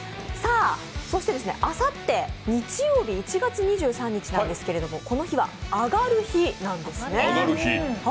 そしてあさって日曜日、１月２３日ですけど、この日はアガる日なんですね。